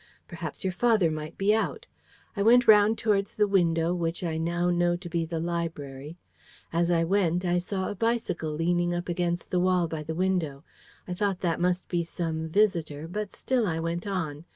Perhaps your father might be out. I went round towards the window, which I now know to be the library. As I went, I saw a bicycle leaning up against the wall by the window. I thought that must be some visitor, but still I went on.